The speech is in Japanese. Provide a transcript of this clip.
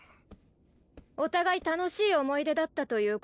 お互い楽しい思い出だったということで。